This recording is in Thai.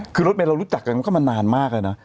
คือเรารู้จักกันก็มานานมากเลยนะ